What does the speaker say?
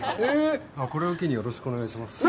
これを機によろしくお願いします。